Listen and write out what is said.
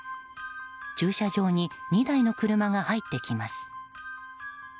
駐車場に２台の車が入ってきます。